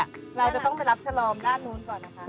เราจะต้องไปรับชะลอมด้านนู้นก่อนนะคะ